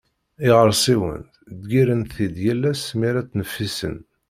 Iɣersiwen, ḍeggiren-t-id yal ass mi ara ttneffisen.